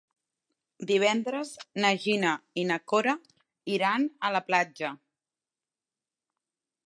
Divendres na Gina i na Cora iran a la platja.